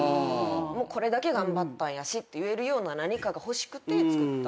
これだけ頑張ったんやしって言えるような何かが欲しくて作ったっていう。